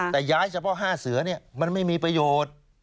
แต่ย้ายเฉพาะ๕เสือมันไม่มีประโยชน์